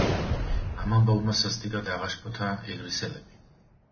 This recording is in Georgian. ამ ამბავმა სასტიკად აღაშფოთა ეგრისელები.